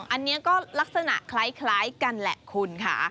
อันนี้ก็ลักษณะคล้ายกันแหละคุณค่ะ